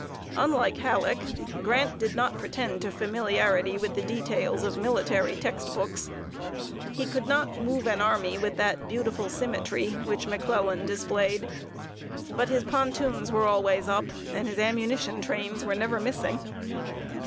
Unlike Halleck, Grant did not pretend to familiarity with the details of military text books. He could not move an army with that beautiful symmetry which McClellan displayed; but his pontoons were always up, and his ammunition trains were never missing.